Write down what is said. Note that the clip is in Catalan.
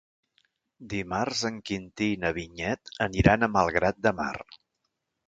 Dimarts en Quintí i na Vinyet aniran a Malgrat de Mar.